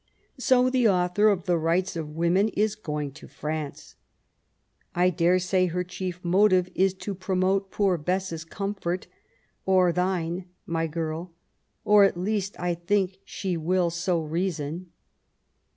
So the author of the Rights of Women is going to France I I dare say her chief motiye is to promote poor Bess's comfort, or thine, my girl, or at least I think she will so reason.